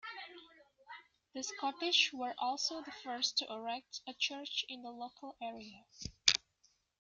The Scottish were also the first to erect a church in the local area.